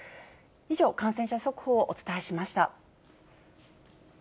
以上、感染者速報をお伝えしました。